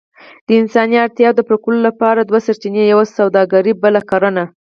د انساني اړتياوو د پوره کولو لپاره دوه سرچينې، يوه سووداګري بله کرنه.